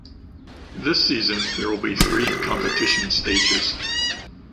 This season there will be three competition stages.